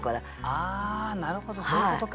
あなるほどそういうことか。